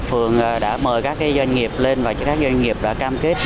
phường đã mời các doanh nghiệp lên và các doanh nghiệp đã cam kết